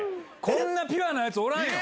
こんなピュアなやつおらんよ。